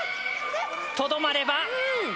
とどまれば。